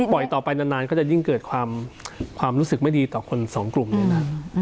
ต่อไปนานก็จะยิ่งเกิดความรู้สึกไม่ดีต่อคนสองกลุ่มเลยนะ